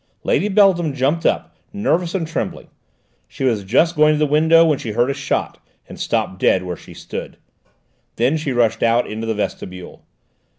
Lady Beltham jumped up, nervous and trembling; she was just going to the window when she heard a shot and stopped dead where she stood. Then she rushed out into the vestibule.